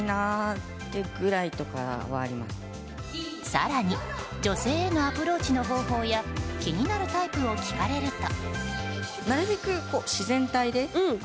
更に、女性へのアプローチの方法や気になるタイプを聞かれると。